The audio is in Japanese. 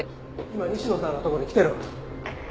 今西野さんのところに来てる。